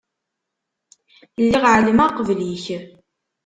Lliɣ ɛelmeɣ qbel-ik.